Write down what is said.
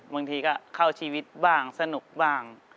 บางทีก็เข้าชีวิตบ้างสนุกบ้าง